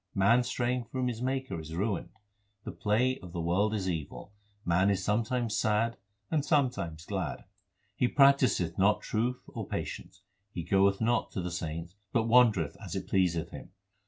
Man straying from his Maker is ruined. The play of the world is evil ; man is sometimes sad and sometimes glad. He practiseth not truth or patience ; he goeth not to the saints, but wander eth as it pleaseth him.